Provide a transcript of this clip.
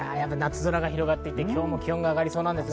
夏空が広がっていて、今日も気温が上がりそうです。